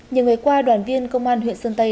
nhiều ngày qua đoàn viên công an huyện sơn tây